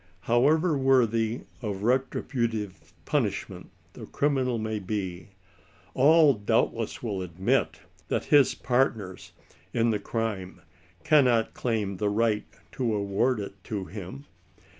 However worthy of retributive punishment the cri minal may be, all doubtless will admit that his partners in the crime cannot claim the right to award it to him.